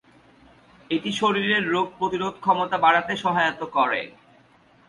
এটি শরীরের রোগ প্রতিরোধ ক্ষমতা বাড়াতে সহায়তা করে।